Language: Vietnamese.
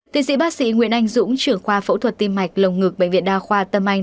tiến sĩ bác sĩ nguyễn anh dũng trưởng khoa phẫu thuật tim mạch lồng ngực bệnh viện đa khoa tâm anh